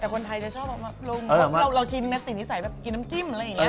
แต่คนไทยจะชอบออกมาลงเราชิมนะติดนิสัยแบบกินน้ำจิ้มอะไรอย่างนี้